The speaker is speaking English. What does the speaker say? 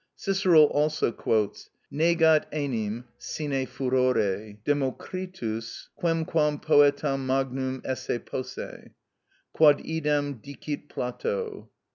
Cicero also quotes: Negat enim sine furore, Democritus, quemquam poetam magnum esse posse; quod idem dicit Plato (De Divin.